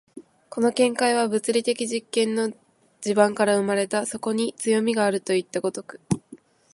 この見解は物理的実験の地盤から生まれた、そこに強味があるといった如く。